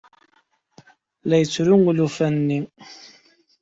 La yettru ulufan-nni.